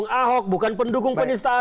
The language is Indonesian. saya ini pendukung penista agama